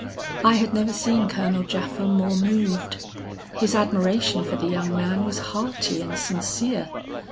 I had never seen Colonel Japha more moved. His admiration for the young man was hearty and sincere.